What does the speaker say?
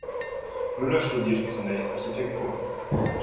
Müller studierte zunächst Architektur.